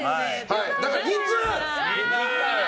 だから２通！